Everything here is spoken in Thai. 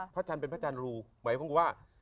พระจันเป็นพระจันรูหมายความคิดว่า